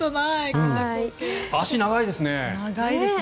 足長いですね。